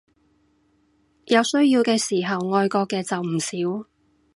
有需要嘅時候愛國嘅就唔少